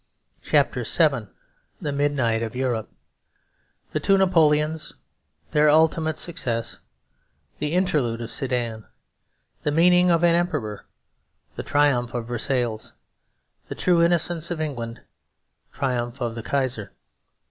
CHAPTER VII THE MIDNIGHT OF EUROPE The Two Napoleons Their Ultimate Success The Interlude of Sedan The Meaning of an Emperor The Triumph of Versailles The True Innocence of England Triumph of the Kaiser.